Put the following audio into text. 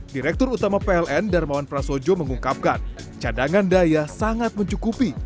direktur utama pln darmawan prasojo mengungkapkan cadangan daya sangat mencukupi